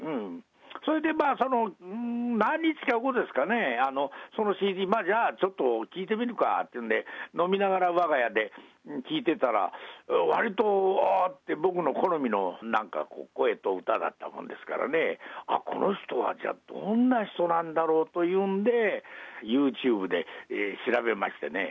それでまあ、その何日か後ですかね、そのＣＤ、じゃあちょっと聴いてみるかっていうんで、飲みながらわが家で聴いてたら、わりと、ああって、僕の好みのなんかこう、声と歌だったもんですからね、あっ、この人はどんな人なんだろうというんで、ユーチューブで調べましてね。